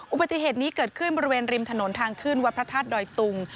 อุบัติเหตุนี้เกิดขึ้นบริเวณริมถนนทางขึ้นวัดพระธาตุดอยตุง